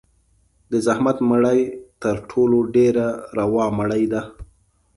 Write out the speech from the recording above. د زحمت مړۍ تر ټولو ډېره روا مړۍ ده.